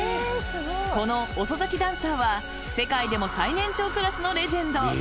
この遅咲きダンサーは世界でも最年長クラスのレジェンド。